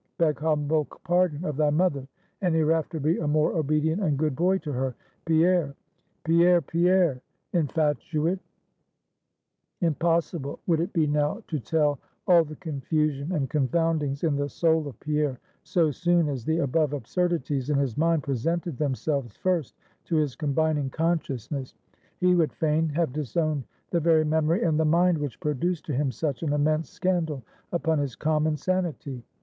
Beg humble pardon of thy mother, and hereafter be a more obedient and good boy to her, Pierre Pierre, Pierre, infatuate! Impossible would it be now to tell all the confusion and confoundings in the soul of Pierre, so soon as the above absurdities in his mind presented themselves first to his combining consciousness. He would fain have disowned the very memory and the mind which produced to him such an immense scandal upon his common sanity.